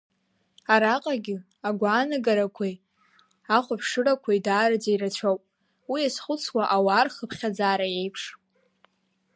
Араҟагьы агәаанагарақәеи, ахәаԥшырақәеи даараӡа ирацәоуп, уи иазхәыцуа ауаа рхыԥхьаӡара еиԥш.